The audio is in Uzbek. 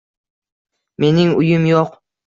— Mening uyim yo‘q.